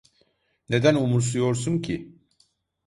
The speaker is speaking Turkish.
Neden umursuyorsun ki?